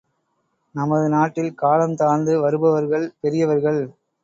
நமது நாட்டில் காலம் தாழ்ந்து வருபவர்கள் பெரியவர்கள்!